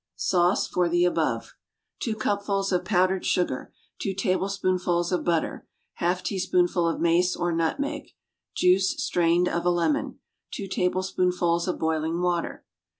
Sauce for the Above. Two cupfuls of powdered sugar. Two tablespoonfuls of butter. Half teaspoonful of mace or nutmeg. Juice (strained) of a lemon. Two tablespoonfuls of boiling water.